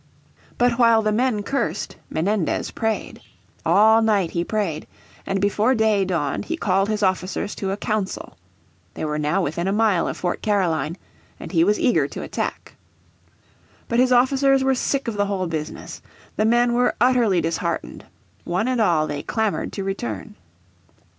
But while the men cursed Menendez prayed. All night he prayed. And before day dawned he called his officers to a council. They were now within a mile of Fort Caroline, and he was eager to attack. But his officers were sick of the whole business. The men were utterly disheartened; one and all they clamoured to return.